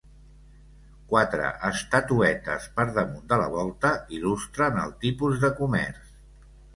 Quatre estatuetes per damunt de la volta il·lustren el tipus de comerç.